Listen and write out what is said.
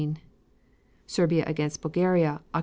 Serbia against Bulgaria, Oct.